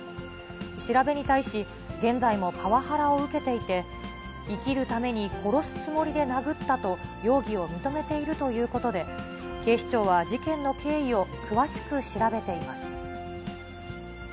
調べに対し、現在もパワハラを受けていて、生きるために殺すつもりで殴ったと、容疑を認めているということで、警視庁は、事件の経緯を詳しく調べています。